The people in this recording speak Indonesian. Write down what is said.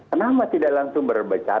kenapa tidak langsung berbicara